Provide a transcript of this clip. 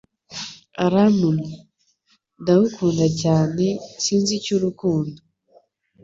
Urantumye. Ndagukunda cyane, sinzi icyo urukundo